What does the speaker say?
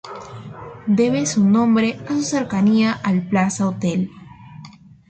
Debe su nombre a su cercanía al Plaza Hotel.